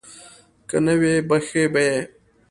که نه وي بښي به یې.